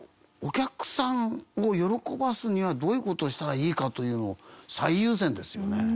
お客さんを喜ばすにはどういう事をしたらいいかというのを最優先ですよね。